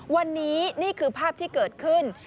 วันนี้นี่คือภาพที่เกิดขึ้น